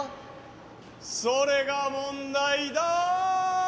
「それが問題だ」